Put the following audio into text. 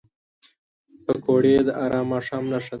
پکورې د ارام ماښام نښه ده